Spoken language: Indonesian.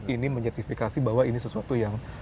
ini menyertifikasi bahwa ini sesuatu yang